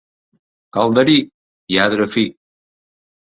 Calderí, lladre fi.